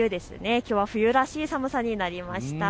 きょうは冬らしい寒さになりました。